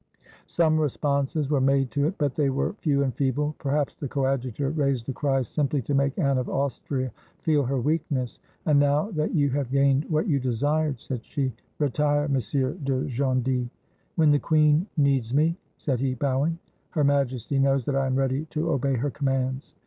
Some responses were made to it, but they were few and feeble. Perhaps the Coadjutor raised the cry simply to make Anne of Austria feel her weakness. "And now that you have gained what you desired," said she, "retire, M. de Gondy." "When the queen needs me," said he, bowing, "Her Majesty knows that I am ready to obey her commands."